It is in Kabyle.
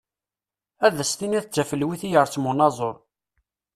Ad as-tiniḍ d tafelwit i yersem unaẓur.